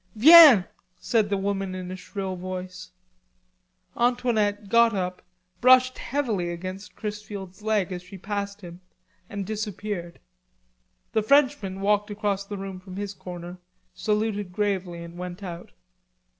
"Viens," said the woman in a shrill voice. Antoinette got up, brushed heavily against Chrisfield's leg as she passed him and disappeared. The Frenchman walked across the room from his corner, saluted gravely and went out.